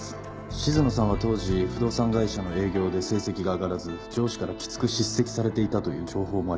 静野さんは当時不動産会社の営業で成績が上がらず上司からきつく叱責されていたという情報もありました。